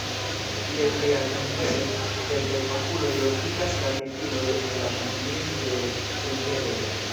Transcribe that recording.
Je pli alta nivelo, kelkaj fakuloj lokigas la pipiloj en la familion de Fringedoj.